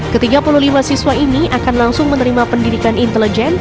ketiga puluh lima siswa ini akan langsung menerima pendidikan intelijen